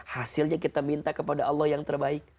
hasilnya kita minta kepada allah yang terbaik